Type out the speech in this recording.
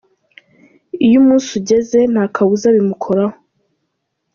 Iyo umunsi ugeze, nta kabuza bimukoraho.